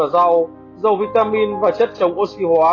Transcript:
dầu vitamin và chất chống oxy hóa